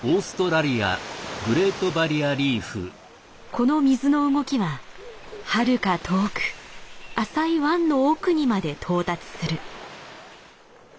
この水の動きははるか遠く浅い湾の奥にまで到達する。